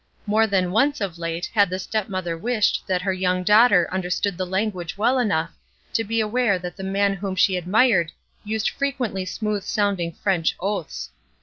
More than once of late had the stepmother wished that her young daughter understood the language well enough to be aware that the man whom she admired used frequently smooth sounding French oaths.